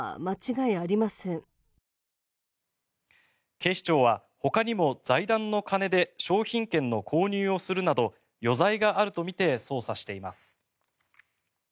警視庁はほかにも財団の金で商品券の購入をするなど余罪があるとみて捜査しています。